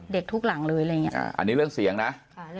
ทุกหลังเลยอะไรอย่างนี้อันนี้เรื่องเสียงนะ